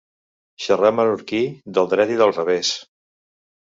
Xerrar menorquí del dret i del revés.